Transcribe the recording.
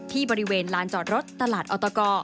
ที่บริเวณลานจอดรถตลาดออตก